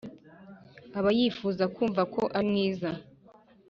aba yifuza kumva ko ari mwiza